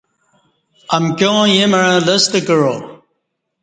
امکیاں ییں مع لستہ کعا